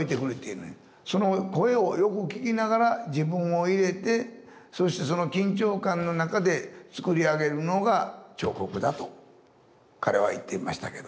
その声をよく聴きながら自分を入れてそしてその緊張感の中で作り上げるのが彫刻だと彼は言っていましたけども。